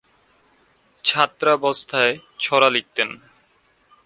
ছাত্রাবস্থায় ছড়া লিখতেন।